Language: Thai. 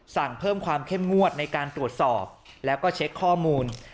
เพิ่มความเข้มงวดในการตรวจสอบแล้วก็เช็คข้อมูล